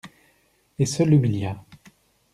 Et ce l'humilia.